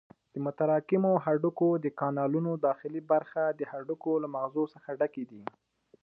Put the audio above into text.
د متراکمو هډوکو د کانالونو داخلي برخه د هډوکو له مغزو څخه ډکې دي.